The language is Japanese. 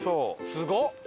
すごっ！